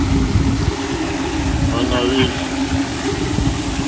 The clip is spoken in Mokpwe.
Hwáná hwèrzù.